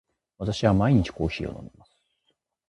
私は毎日コーヒーを飲みます。